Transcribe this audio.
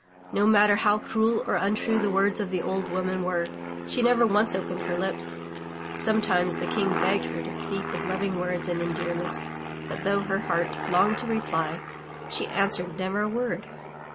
No matter how cruel or tmtrue the words of the old woman were, she never once opened her lips. Sometimes the King begged her to speak with loving words and endearments, but, though her heart longed to reply, she answered never a word.